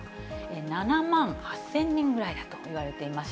７万８０００人ぐらいだといわれています。